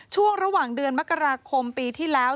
ช่วงระหว่างเดือนมกราคมปีที่แล้ว